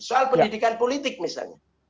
soal pendidikan politik misalnya